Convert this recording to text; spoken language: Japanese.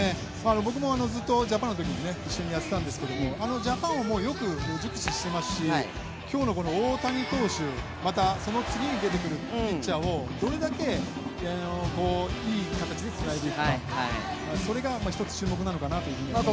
僕もずっとジャパンのときに一緒にやってたんですけど、ジャパンをよく熟知していますし、今日の大谷投手またその次に出てくるピッチャーをどれだけいい形でつないでいくかそれが１つ、注目なのかなと思います。